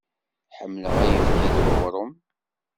Ḥemmleɣ ayefki d uɣrum.